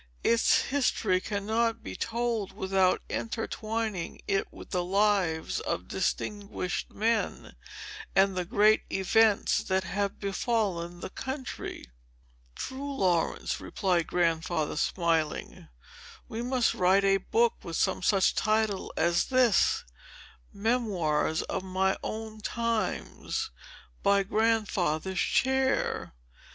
Its history cannot be told without intertwining it with the lives of distinguished men, and the great events that have befallen the country." "True, Laurence," replied Grandfather, smiling, "We must write a book, with some such title as this,—MEMOIRS OF MY OWN TIMES, BY GRANDFATHER'S CHAIR."